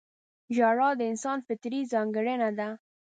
• ژړا د انسان فطري ځانګړنه ده.